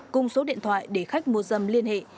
cùng số điện thoại để khách mua dâm liên hệ